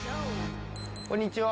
こんにちは。